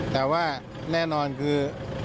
แต่ว่าแน่นอนคือ